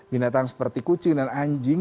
binatang seperti kucing dan anjing